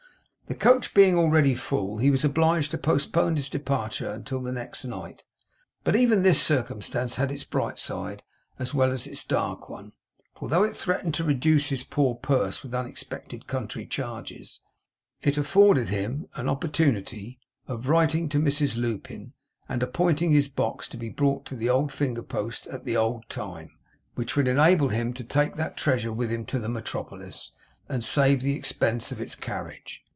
The coach being already full, he was obliged to postpone his departure until the next night; but even this circumstance had its bright side as well as its dark one, for though it threatened to reduce his poor purse with unexpected country charges, it afforded him an opportunity of writing to Mrs Lupin and appointing his box to be brought to the old finger post at the old time; which would enable him to take that treasure with him to the metropolis, and save the expense of its carriage.